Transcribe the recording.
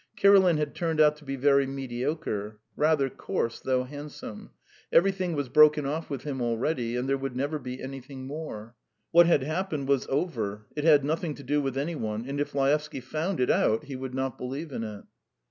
Kirilin had turned out to be very mediocre, rather coarse though handsome; everything was broken off with him already and there would never be anything more. What had happened was over; it had nothing to do with any one, and if Laevsky found it out he would not believe in it.